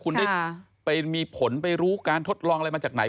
คุณได้ไปมีผลไปรู้การทดลองอะไรมาจากไหน